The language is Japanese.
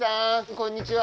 こんにちは。